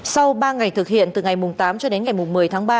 sau ba ngày thực hiện từ ngày tám cho đến ngày một mươi tháng ba